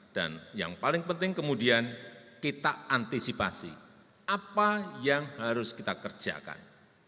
dan yang paling penting kemudian kita antisipasi apa yang harus kita kerjakan